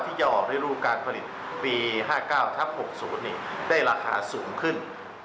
ที่จะออกให้รูปการผลิตปี๕๙ทับ๖๐ได้ราคาสูงขึ้น